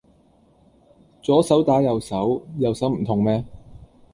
左手打右手，右手唔痛咩